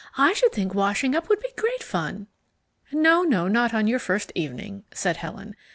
"I should think washing up would be great fun." "No, no, not on your first evening," said Helen.